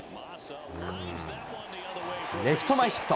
レフト前ヒット。